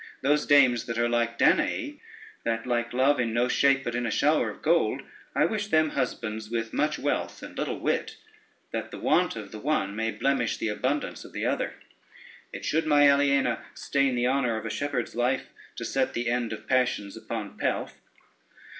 Those dames that are like Danaë, that like love in no shape but in a shower of gold, I wish them husbands with much wealth and little wit, that the want of the one may blemish the abundance of the other. It should, my Aliena, stain the honor of a shepherd's life to set the end of passions upon pelf.